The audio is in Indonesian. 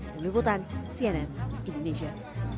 dari liputan cnn indonesia